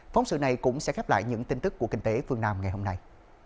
phóng sự này cũng sẽ khép lại những tin tức của kinh tế phương nam ngày hôm nay